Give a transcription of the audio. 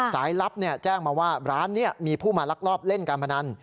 สายลับแจ้งมาว่าร้านนี้มีผู้มาลักลอบเล่นการพนัน